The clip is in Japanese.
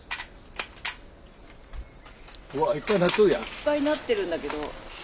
いっぱいなってるんだけど。